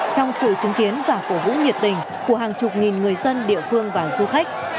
trong sự chứng kiến và cổ vũ nhiệt tình của hàng chục nghìn người dân địa phương và du khách